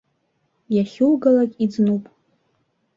Иахьугалак иӡнуп.